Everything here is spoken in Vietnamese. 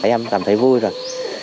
em cảm thấy vui rồi